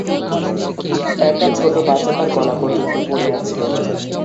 একটা ছোট বাচ্চা তার গলা পর্যন্ত পড়ে আছে।